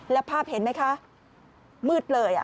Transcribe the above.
แล้วภาพเห็นไหมคะมืดเลย